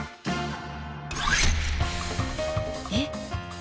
えっ